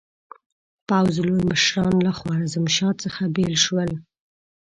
پوځ لوی مشران له خوارزمشاه څخه بېل شول.